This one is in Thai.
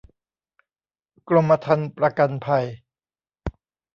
กรมธรรม์ประกันภัย